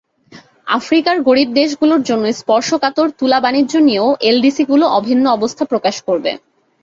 আফ্রিকার গরিব দেশগুলোর জন্য স্পর্শকাতর তুলাবাণিজ্য নিয়েও এলডিসিগুলো অভিন্ন অবস্থা প্রকাশ করবে।